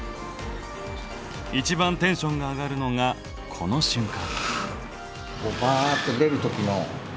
一番テンションが上がるのがこの瞬間！